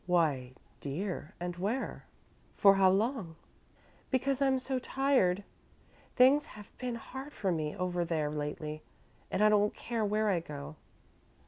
"Why, dear, and where? For how long?" "Because I'm so tired. Things have been hard for me over there, lately and I don't care where I go."